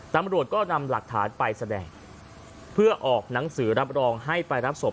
ตำรวจก็นำหลักฐานไปแสดงเพื่อออกหนังสือรับรองให้ไปรับศพ